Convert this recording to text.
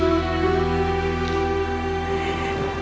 kamu sudah lihat